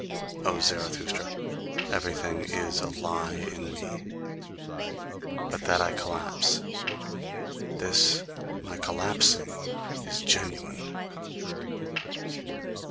O Zarathustra, everything is a lie in me; but that I collapse this my collapsing is GENUINE!"